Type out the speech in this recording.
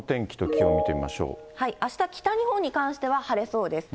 あした、北日本に関しては晴れそうです。